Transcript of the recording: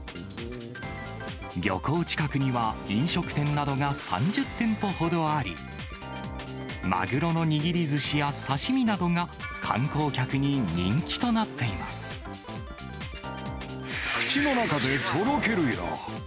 漁港近くには、飲食店などが３０店舗ほどあり、マグロの握りずしや刺身などが、口の中でとろけるよ。